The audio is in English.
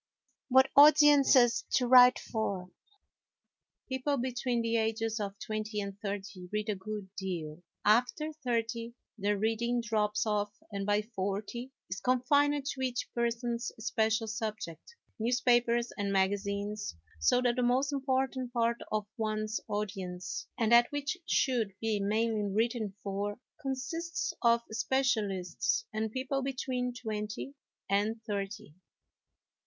What Audience to Write for People between the ages of twenty and thirty read a good deal, after thirty their reading drops off and by forty is confined to each person's special subject, newspapers and magazines; so that the most important part of one's audience, and that which should be mainly written for, consists of specialists and people between twenty and thirty.